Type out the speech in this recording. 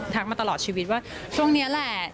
มาตลอดชีวิตว่าช่วงนี้แหละ